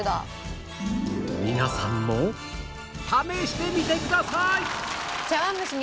皆さんも試してみてください